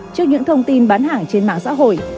trước những thông tin bán hàng trên mạng xã hội